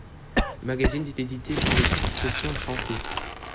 Le magazine est édité par le Groupe Profession Santé.